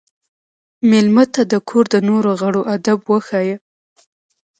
مېلمه ته د کور د نورو غړو ادب وښایه.